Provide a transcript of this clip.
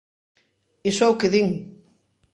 Iso é o que din.